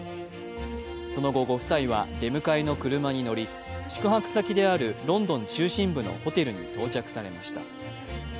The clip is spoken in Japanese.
その後ご夫妻は、出迎えの車に乗り宿泊先であるロンドン中心部のホテルに到着されました。